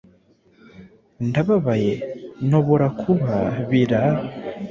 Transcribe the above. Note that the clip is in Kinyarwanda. Ndababaye Nhobora kuba, biraa,